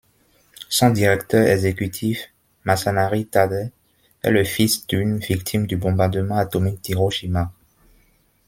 Son directeur exécutif, Masanari Tade, est le fils d'une victime du bombardement atomique d'Hiroshima.